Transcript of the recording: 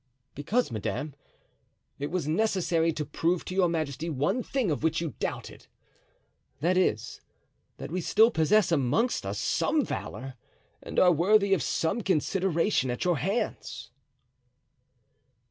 "Because, madame, it was necessary to prove to your majesty one thing of which you doubted— that is, that we still possess amongst us some valor and are worthy of some consideration at your hands."